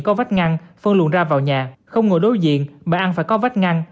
có vách ngăn phân luồn ra vào nhà không ngồi đối diện bữa ăn phải có vách ngăn